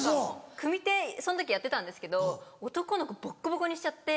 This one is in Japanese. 組手その時やってたんですけど男の子ボッコボコにしちゃって。